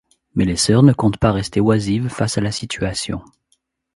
Mais les sœurs ne comptent pas rester oisives face à la situation...